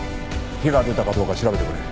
火が出たかどうか調べてくれ。